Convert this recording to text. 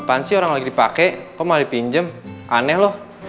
apaan sih orang lagi dipake kok malah dipinjem aneh loh